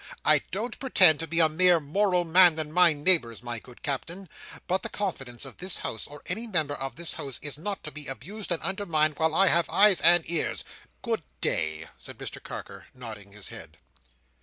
I don't pretend to be a more moral man than my neighbours, my good Captain; but the confidence of this House, or of any member of this House, is not to be abused and undermined while I have eyes and ears. Good day!" said Mr Carker, nodding his head.